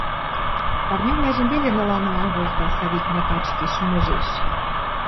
Парнявлӓжӹм веле нылал-нылал колта, Савикнӓ качкеш, нӹжеш.